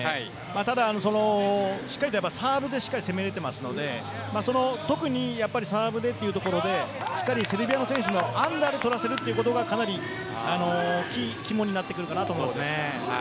ただ、しっかりとサーブで攻めれていますので特にサーブでというところでセルビアの選手にアンダーで取らせるということが肝になってくるかなと思います。